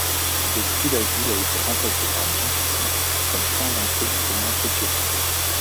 Depuis la ville a été remplacée par Djibouti comme point d'entrée du commerce éthiopien.